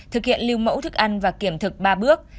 thực hiện lưu mẫu thức ăn và kiểm thực ba bước